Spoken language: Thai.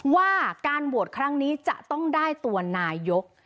ว่าการโหวตครั้งนี้จะต้องได้ตัวนายก